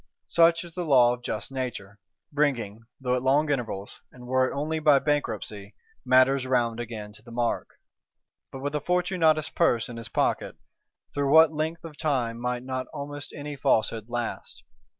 Such is the law of just Nature; bringing, though at long intervals, and were it only by Bankruptcy, matters round again to the mark. But with a Fortunatus' Purse in his pocket, through what length of time might not almost any Falsehood last!